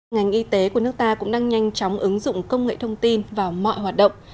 ngành y tế của nước ta cũng đang nhanh chóng ứng dụng công nghệ thông tin vào mọi hoạt động